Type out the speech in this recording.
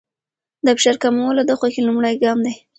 د فشار کمول د خوښۍ لومړی ګام دی.